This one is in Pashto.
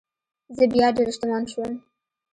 زه بیا ډیر شتمن شوم.